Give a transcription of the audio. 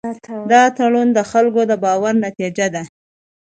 دا تړون د خلکو د باور نتیجه ده.